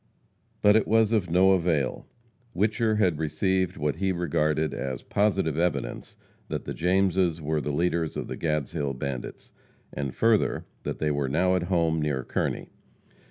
But it was of no avail. Whicher had received what he regarded as positive evidence that the Jameses were the leaders of the Gadshill bandits, and, further, that they were now at home, near Kearney.